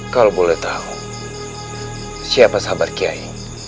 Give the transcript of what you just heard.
kalau boleh tahu siapa sabar kiai